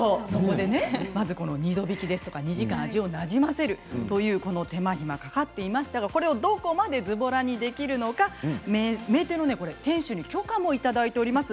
２度びきや２時間味をなじませる手間がかかっていましたがこれをどこまでずぼらにできるのか名店の店主に許可をいただいております。